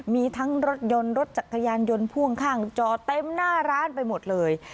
มีทั้งรถยนต์รถจักรยานยนต์พ่วงข้างจอเต็มหน้าร้านไปหมดเลย